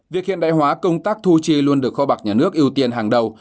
việc hiện đại hóa công tác thu chi luôn được kho bạc nhà nước ưu tiên hàng đầu